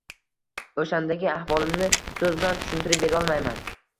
O`shandagi ahvolimni so`z bilan tushuntirib berolmayman